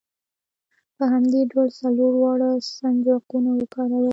په همدې ډول څلور واړه سنجاقونه وکاروئ.